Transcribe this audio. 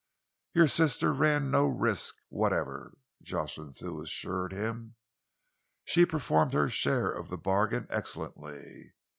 "Your sister ran no risk whatever," Jocelyn Thew assured him. "She performed her share of the bargain excellently.